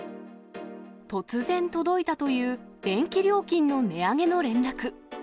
突然届いたという電気料金の値上げの連絡。